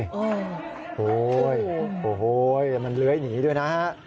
โอ้โหโอ้โหแล้วมันเลื้อยหนีด้วยนะฮะ